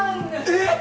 えっ！